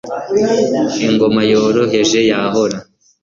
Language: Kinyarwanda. ingoma yoroheje yahora